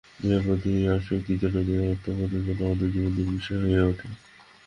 দেহের প্রতি আসক্তির জন্য, দেহাত্মবোধের জন্য আমাদের জীবন দুর্বিষহ হইয়া ওঠে।